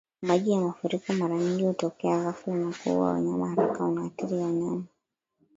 maji ya mafuriko Mara nyingi hutokea ghafla na kuua wanyama haraka Unaathiri wanyama